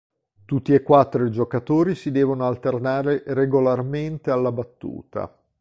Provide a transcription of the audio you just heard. Tutti e quattro i giocatori si devono alternare regolarmente alla battuta.